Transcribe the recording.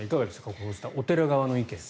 こうしたお寺側の意見。